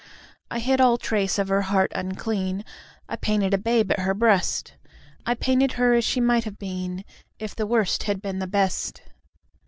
I hid all trace of her heart unclean; I painted a babe at her breast; I painted her as she might have been If the Worst had been the Best.